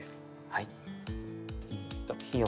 はい。